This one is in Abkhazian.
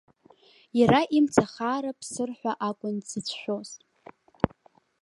Иара имцахаара ԥсыр ҳәа акәын дзыцәшәоз.